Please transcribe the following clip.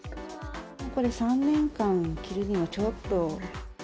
これ３年間着るにはちょっと。